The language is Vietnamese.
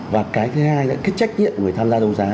và cái thứ hai là cái trách nhiệm người tham gia đấu giá